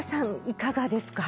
いかがですか？